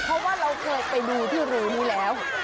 เพราะว่าเราเคยไปดูที่รื้อนี้แล้ว